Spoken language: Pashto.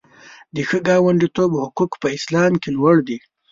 د ښه ګاونډیتوب حقوق په اسلام کې لوړ دي.